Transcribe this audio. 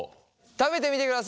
食べてみてください。